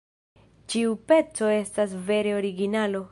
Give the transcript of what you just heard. Ĉiu peco estas vere originalo!